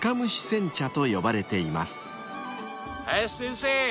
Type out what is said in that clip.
林先生！